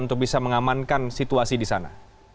untuk bisa mengamankan situasi di sana